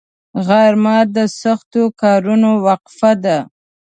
غرمه د سختو کارونو وقفه ده